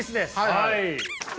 はい。